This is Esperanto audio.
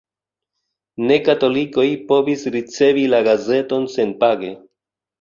Ne-katolikoj povis ricevi la gazeton senpage.